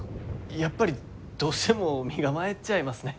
やっぱりどうしても身構えちゃいますね。